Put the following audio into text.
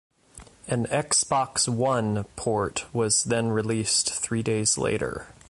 An Xbox One port was then released three days later.